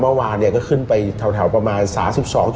เมื่อวานก็ขึ้นไปแถวประมาณ๓๒๗๐นะ